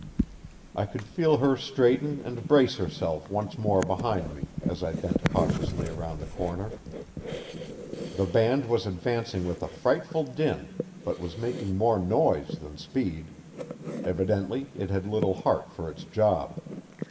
I could feel her straighten and brace herself once more behind me as I bent cautiously around the corner. The band was advancing with a frightful din, but was making more noise than speed. Evidently it had little heart for its job.